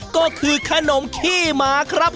ก็คือขนมขี้หมาครับ